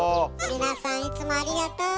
皆さんいつもありがとう。